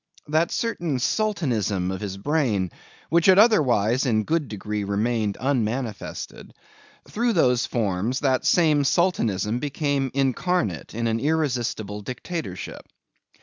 That certain sultanism of his brain, which had otherwise in a good degree remained unmanifested; through those forms that same sultanism became incarnate in an irresistible dictatorship.